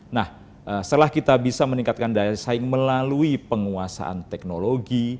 nah setelah kita bisa meningkatkan daya saing melalui penguasaan teknologi